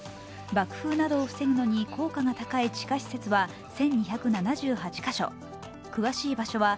爆風などを防ぐのに効果が高い智加施設は１２７８か所、詳しい場所は